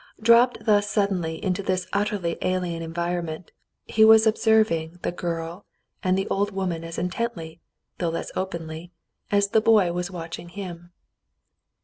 Dropped thus suddenly into this utterly alien environment, he was observing the girl and the old woman as intently, though less openly, as the boy was watching him.